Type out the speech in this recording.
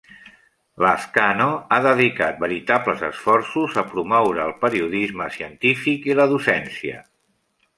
Lazcano ha dedicat veritables esforços a promoure el periodisme científic i la docència.